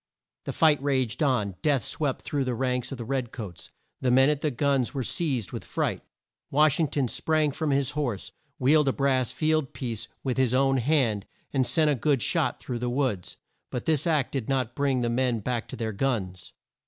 The fight raged on. Death swept through the ranks of the red coats. The men at the guns were seized with fright. Wash ing ton sprang from his horse, wheeled a brass field piece with his own hand, and sent a good shot through the woods. But this act did not bring the men back to their guns.